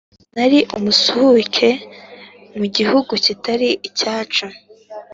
Nari umusuhuke mu gihugu kitari icyacu